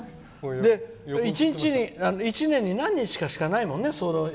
１年に何日かしかないもんね